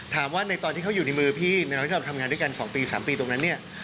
ถามว่าในตอนที่เขาอยู่ในมือพี่และที่เราทำงานด้วยกัน๒๓ปีตรงนั้น